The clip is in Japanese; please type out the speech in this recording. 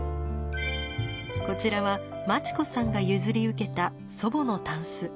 こちらは真知子さんが譲り受けた祖母のタンス。